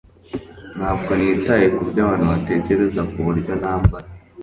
Ntabwo nitaye kubyo abantu batekereza kuburyo nambara